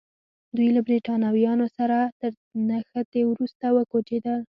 دوی له برېټانویانو سره تر نښتې وروسته وکوچېدل.